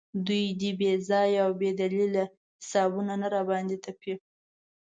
دوی دې بې ځایه او بې دلیله حسابونه نه راباندې تپي.